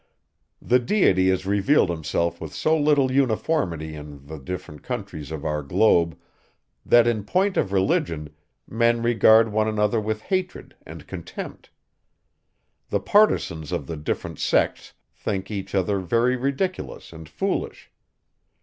The Deity has revealed himself with so little uniformity in the different countries of our globe, that in point of religion, men regard one another with hatred and contempt. The partisans of the different sects think each other very ridiculous and foolish.